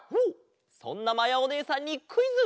そんなまやおねえさんにクイズ！